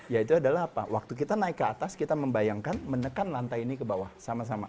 yaitu adalah apa waktu kita naik ke atas kita membayangkan menekan lantai ini ke bawah sama sama